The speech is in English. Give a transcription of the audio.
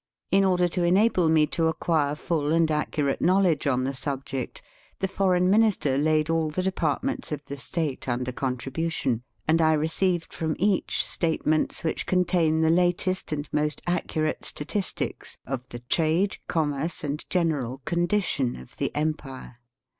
In order to enable me to acquire full and accu rate knowledge on the subject, the Foreign Minister laid all the departments of the State under contribution, and I received from each statements which contain the latest and most accurate statistics of the trade, commerce, and general condition of the empire.